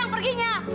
lu mau pergi gak